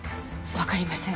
わかりません。